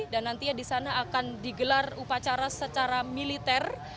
dan nantinya di sana akan digelar upacara secara militer